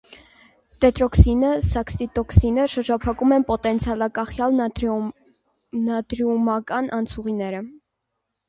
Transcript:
Տետրոդոտոքսինը, սաքսիտոքսինը շրջափակում են պոտենցիալակախյալ նատրիումական անցուղիները։